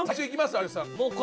有吉さん。